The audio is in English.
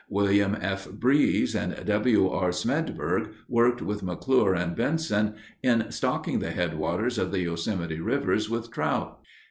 William F. Breeze and W. R. Smedberg worked with McClure and Benson in stocking the headwaters of the Yosemite rivers with trout.